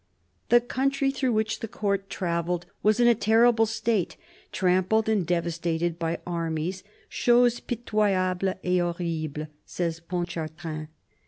The country through which the Court travelled was in a terrible state, trampled and devastated by armies — "chose pitoyable et horrible," says Pontchartrain.